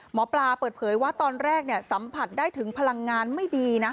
หมอปลาเปิดเผยว่าตอนแรกสัมผัสได้ถึงพลังงานไม่ดีนะ